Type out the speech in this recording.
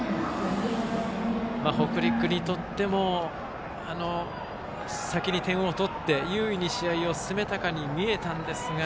北陸にとっても先に点を取って優位に試合を進めたかに見えましたが。